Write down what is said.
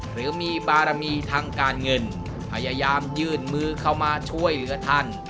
หรือมีบารมีทางการเงินพยายามยื่นมือเข้ามาช่วยเหลือท่าน